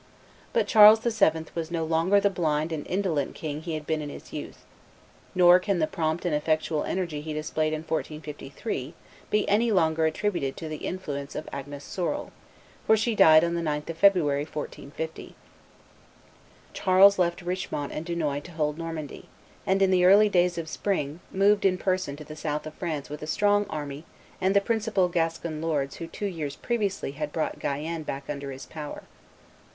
But Charles VII. was no longer the blind and indolent king he had been in his youth. Nor can the prompt and effectual energy he displayed in 1453 be any longer attributed to the influence of Agnes Sorel, for she died on the 9th of February, 1450. Charles left Richemont and Dunois to hold Normandy; and, in the early days of spring, moved in person to the south of France with a strong army and the principal Gascon lords who two years previously had brought Guyenne back under his power.